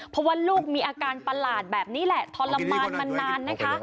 เพราะว่าลูกมีอาการประหลาดแบบนี้แหละทรมานมานานนะคะ